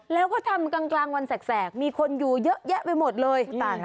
แล้วก็ทำกลางวันแสกมีคนอยู่เยอะแยะไปหมดเลย